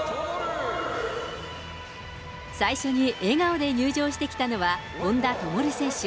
最初に笑顔で入場してきたのは本多灯選手。